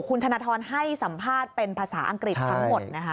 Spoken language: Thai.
คุณธนทรให้สัมภาษณ์เป็นภาษาอังกฤษทั้งหมดนะคะ